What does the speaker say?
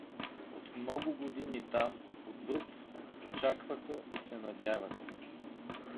От много години там — отвъд — очакваха и се надяваха.